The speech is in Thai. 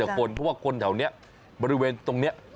คนเพราะว่าคนแถวนี้บริเวณตรงนี้